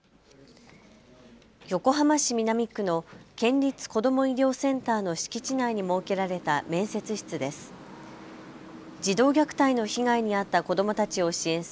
横浜市南区の県立こども医療センターの敷地内に設けられた面接室です。